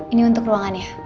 ini untuk ruangannya